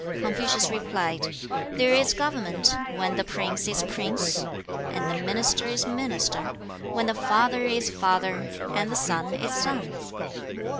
2. Confucius replied, 'There is government, when the prince is prince, and the minister is minister; when the father is father, and the son is son.'